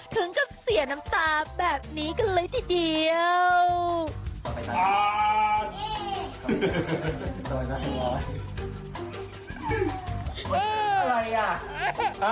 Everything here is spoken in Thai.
ถึงกับเสียน้ำตาแบบนี้กันเลยทีเดียว